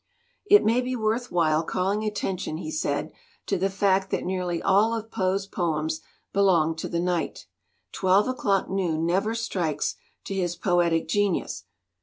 "It may be worth while calling attention,*' he said, "to the fact that nearly all of Poe's poems belong to the night. Twelve o'clock noon never strikes to his poetic genius.